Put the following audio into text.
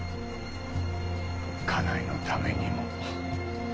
家内のためにも。